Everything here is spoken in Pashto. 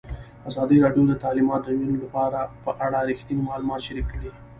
ازادي راډیو د تعلیمات د نجونو لپاره په اړه رښتیني معلومات شریک کړي.